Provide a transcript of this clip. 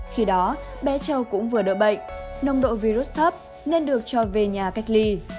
khi đó bé châu cũng vừa đỡ bệnh nông độ virus thấp nên được cho về nhà cách ly